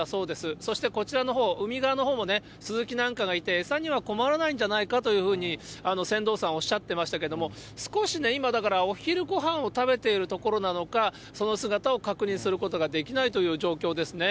そしてこちらのほう、海側のほうもね、スズキなんかがいて、餌には困らないんじゃないかというふうに、船頭さんおっしゃってましたけど、少し今、だからお昼ごはんを食べているところなのか、その姿を確認することができないという状況